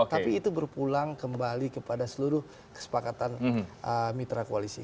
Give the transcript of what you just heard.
tapi itu berpulang kembali kepada seluruh kesepakatan mitra koalisi